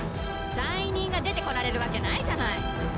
罪人が出てこられるわけないじゃない。